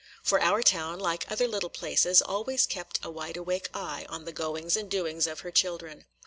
For our town, like other little places, always kept a wide awake eye on the goings and doings of her children.